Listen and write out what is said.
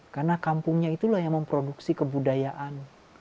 karena kampungnya itulah yang memproduksi kebudayaan